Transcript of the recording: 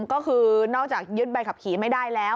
ก็คือนอกจากยึดใบขับขี่ไม่ได้แล้ว